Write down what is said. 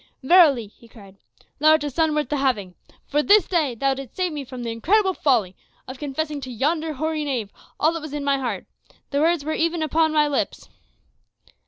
"Verily," he cried, "thou art a son worth the having; for this day thou didst save me from the incredible folly of confessing to yonder hoary knave all that was in my heart the words were even upon my lips.